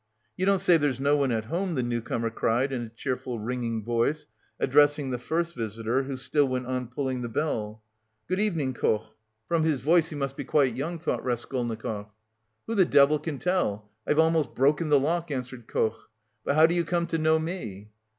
"You don't say there's no one at home," the new comer cried in a cheerful, ringing voice, addressing the first visitor, who still went on pulling the bell. "Good evening, Koch." "From his voice he must be quite young," thought Raskolnikov. "Who the devil can tell? I've almost broken the lock," answered Koch. "But how do you come to know me?"